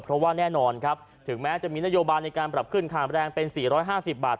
เพราะว่าแน่นอนครับถึงแม้จะมีนโยบายในการปรับขึ้นค่าแรงเป็น๔๕๐บาท